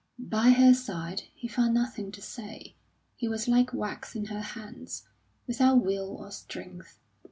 By her side he found nothing to say; he was like wax in her hands, without will or strength.